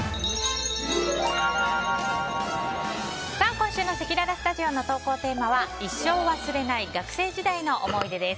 今週のせきららスタジオの投稿テーマは一生忘れない学生時代の思い出です。